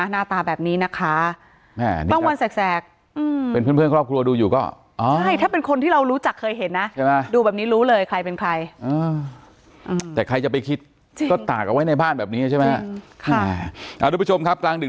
เนี่ยน่ะหน้าตาแบบนี้นะคะครับมงวนแสก